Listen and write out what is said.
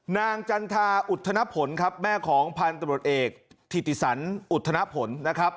นางจันทราอุทธนพลแม่ของพันธบทเอกถิติสันอุทธนพล